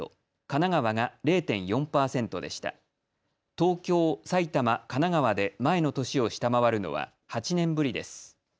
東京、埼玉、神奈川で前の年を下回るのは８年ぶりです。